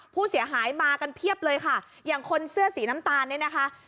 ผู้เสียหายมากันเพียบเลยค่ะอย่างคนเสื้อสีน้ำตาลเนี่ยนะคะ